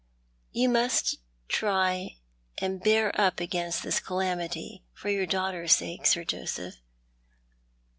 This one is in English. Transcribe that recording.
" You must try and bear up against this calamity, for your daughter's sake, Sir Joseph."